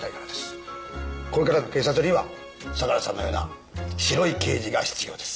これからの警察には相良さんのような白い刑事が必要です。